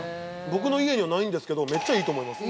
◆僕の家には、ないんですけどめっちゃいいと思います。